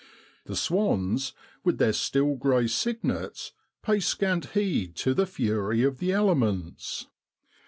The swans, with their still grey cygnets, pay scant heed to the fury of the elements.